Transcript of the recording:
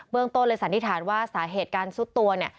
เบื้องต้นเลยสันนิษฐานว่าสาเหตุการณ์ซุดตัว